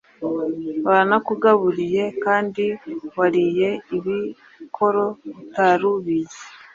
Baranakugaburiye kandi wariye ibikoro utari ubizi!